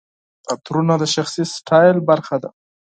عطرونه د شخصي سټایل برخه ده.